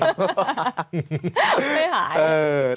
ไม่หาย